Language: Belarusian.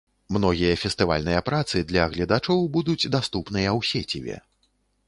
Многія фестывальныя працы для гледачоў будуць даступныя ў сеціве.